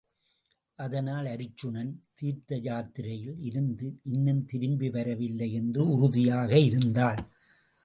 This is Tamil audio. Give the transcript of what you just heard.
அதனால் அருச்சுனன் தீர்த்த யாத்திரையில் இருந்து இன்னும் திரும்பி வரவில்லை என்று உறுதியாக இருந்தாள்.